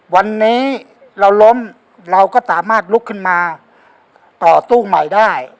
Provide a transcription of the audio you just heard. วันนี้เราล้มเราก็สามารถลุกขึ้นมาต่อสู้ใหม่ได้